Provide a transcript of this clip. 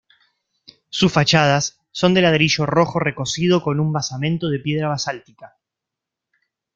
Sus fachadas son de ladrillo rojo recocido con un basamento de piedra basáltica.